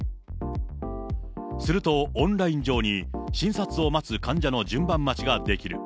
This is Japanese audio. すると、オンライン上に診察を待つ患者の順番待ちができる。